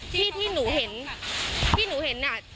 ที่หนูเห็นที่หนูเห็นเนี่ย